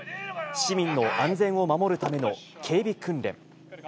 市民の安全を守るための警備訓練。